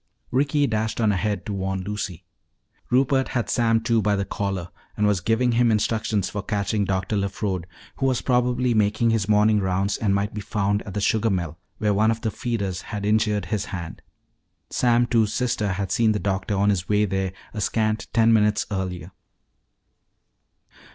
Ricky dashed on ahead to warn Lucy. Rupert had Sam Two by the collar and was giving him instructions for catching Dr. LeFrode, who was probably making his morning rounds and might be found at the sugar mill where one of the feeders had injured his hand. Sam Two's sister had seen the doctor on his way there a scant ten minutes earlier.